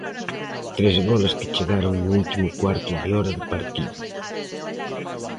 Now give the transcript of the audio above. Tres goles que chegaron no último cuarto de hora de partido.